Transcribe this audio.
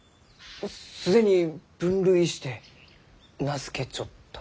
既に分類して名付けちょった？